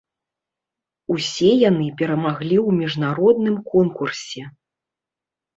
Усе яны перамаглі ў міжнародным конкурсе.